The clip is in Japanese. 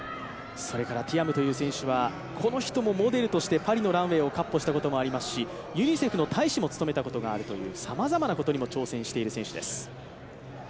それからティアムという選手はこの人もモデルとしてパリのランウェイを闊歩したこともありますし、ユニセフの大使も務めたことがあるというさまざまなことにも挑戦している選手です。